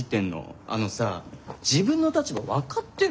あのさ自分の立場分かってる？